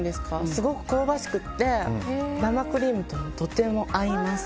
すごく香ばしくて生クリームととても合います。